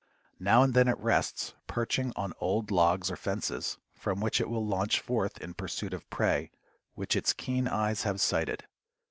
Now and then it rests, perching on old logs or fences, from which it will launch forth in pursuit of prey which its keen eyes have sighted.